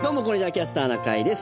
「キャスターな会」です。